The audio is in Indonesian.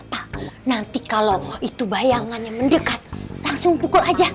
pak nanti kalau itu bayangannya mendekat langsung pukul aja